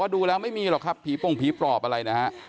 ที่ดูแล้วไม่มีหรอกครับผีป้องผีปลอบอะไรนะครับ